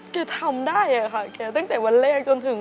แกทำได้ค่ะแกตั้งแต่วันแรกจนถึง